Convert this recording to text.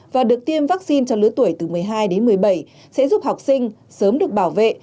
và được tiêm vaccine cho lứa tuổi từ một mươi hai đến một mươi bảy sẽ giúp học sinh sớm được bảo vệ